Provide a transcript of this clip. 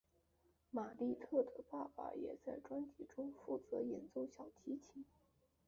玛莉特的爸爸也在专辑中负责演奏小提琴。